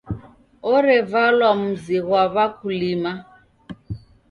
Orevalwa mzi ghwa w'akulima.